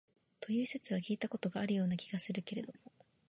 という説は聞いた事があるような気がするけれども、